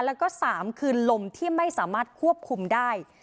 แล้วก็๓คือลมที่ไม่สามารถควบคุมได้